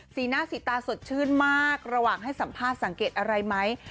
สีหน้าสีตาสดชื่นมากระหว่างให้สัมภาษณ์สังเกตอะไรไหม